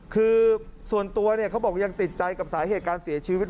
คือส่วนตัวเขาบอกยังติดใจกับสาเหตุการเสียชีวิต